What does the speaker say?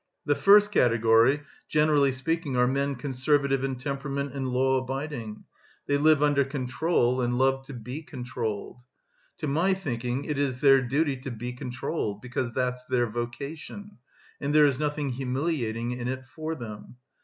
The first category, generally speaking, are men conservative in temperament and law abiding; they live under control and love to be controlled. To my thinking it is their duty to be controlled, because that's their vocation, and there is nothing humiliating in it for them.